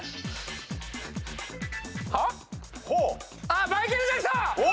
はっ⁉マイケル・ジャクソン！